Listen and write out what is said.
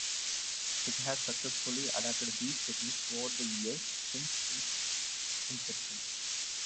It has successfully adapted these techniques over the years since its inception.